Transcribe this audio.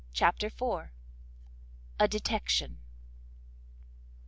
CHAPTER iv. A DETECTION.